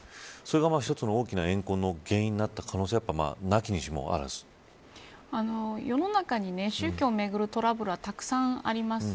それが一つの大きな怨恨の原因になった可能性は世の中に宗教を巡るトラブルはたくさんあります。